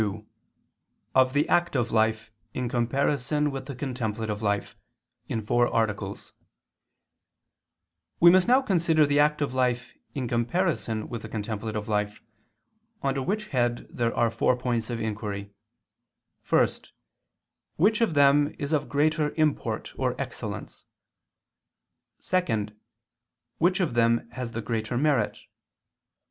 _______________________ QUESTION 182 OF THE ACTIVE LIFE IN COMPARISON WITH THE CONTEMPLATIVE LIFE (In Four Articles) We must now consider the active life in comparison with the contemplative life, under which head there are four points of inquiry: (1) Which of them is of greater import or excellence? (2) Which of them has the greater merit?